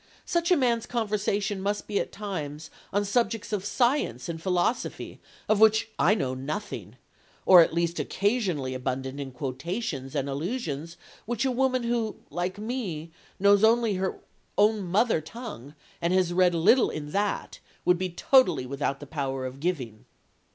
Such a man's conversation must at times be on subjects of science and philosophy of which I know nothing, or at least occasionally abundant in quotations and allusions which a woman who, like me, knows only her own mother tongue, and has read little in that, would be totally without the power of giving."